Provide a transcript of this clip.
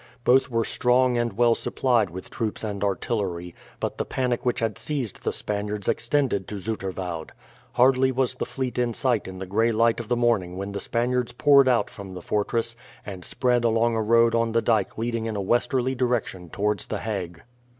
Both were strong and well supplied with troops and artillery, but the panic which had seized the Spaniards extended to Zoeterwoude. Hardly was the fleet in sight in the gray light of the morning when the Spaniards poured out from the fortress, and spread along a road on the dyke leading in a westerly direction towards the Hague.